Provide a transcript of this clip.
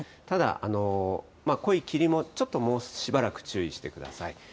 ただ、濃い霧もちょっともうしばらく注意してください。